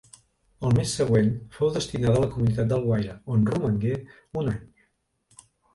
El mes següent fou destinada a la comunitat d'Alguaire, on romangué un any.